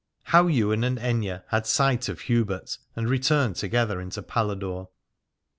HOW YWAIN AND AITHNE HAD SIGHT OF HUBERT, AND RETURNED TOGETHER INTO PALADORE.